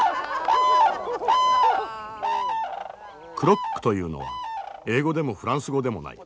クロックというのは英語でもフランス語でもない。